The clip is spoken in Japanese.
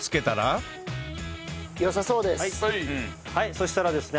そしたらですね